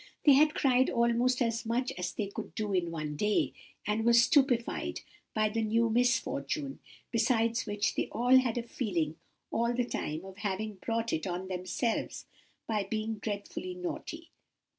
"They had cried almost as much as they could do in one day, and were stupified by the new misfortune, besides which, they had a feeling all the time of having brought it on themselves by being dreadfully naughty.